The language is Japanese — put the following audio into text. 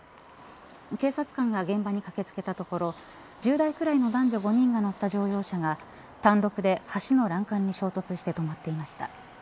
警察官が現場に駆け付けたところ１０代くらいの男女５人が乗った乗用車が単独で橋の欄干に衝突して止まっていました。